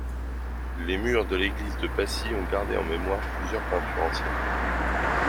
Les murs de l'église de Pacy ont gardé en mémoire plusieurs peintures anciennes.